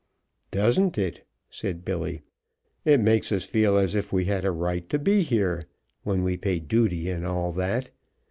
"Doesn't it?" said Billy. "It makes us feel as if we had a right to be here when we pay duty and all that.